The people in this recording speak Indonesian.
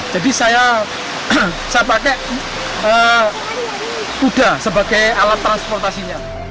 jadi saya pakai kuda sebagai alat transportasinya